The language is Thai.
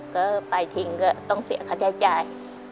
ก็ไปทิ้งก็ต้องเสียค่าใช้จ่าย